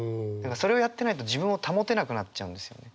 それをやってないと自分を保てなくなっちゃうんですよね。